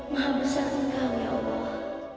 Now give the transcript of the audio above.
maha besar engkau ya o allah